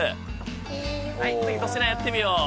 はい次粗品やってみよう。